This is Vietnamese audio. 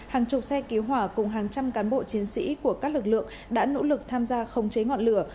hàng chục xe cứu hỏa cùng hàng trăm cán bộ chiến sĩ của các lực lượng đã nỗ lực tham gia khống chế ngọn lửa